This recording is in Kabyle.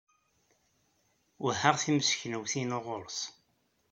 Wehhaɣ timseknewt-inu ɣur-s.